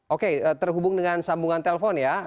oke terhubung dengan sambungan telpon ya